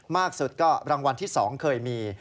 มากสุดก็รางวัลที่๒เคยมี